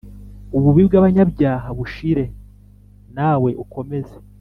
Ububi bw abanyabyaha bushire nawe ukomeze